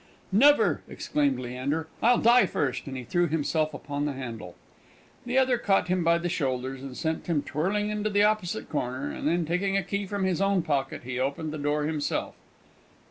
"Never!" exclaimed Leander. "I'll die first!" and he threw himself upon the handle. The other caught him by the shoulders, and sent him twirling into the opposite corner; and then, taking a key from his own pocket, he opened the door himself.